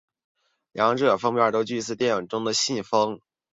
两者封面俱似电影中的信封。